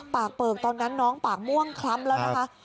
ปากเปลือกตอนนั้นน้องปากม่วงคล้ำแล้วนะคะ